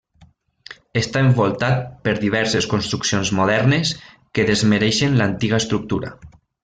Està envoltat per diverses construccions modernes que desmereixen l'antiga estructura.